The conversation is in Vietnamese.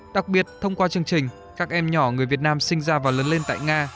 đặc biệt thông qua chương trình các em nhỏ người việt nam sinh ra và lớn lên tại nga